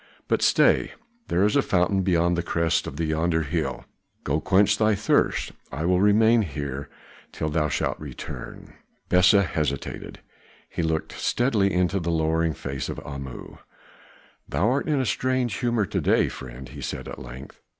But stay, there is a fountain beyond the crest of yonder hill; go quench thy thirst. I will remain till thou shalt return." Besa hesitated; he looked steadily into the lowering face of Amu. "Thou art in a strange humor to day, friend," he said at length.